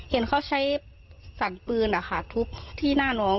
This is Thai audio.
เห็นเขาใช้สันปืนทุบที่หน้าน้อง